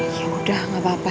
yaudah gak apa apa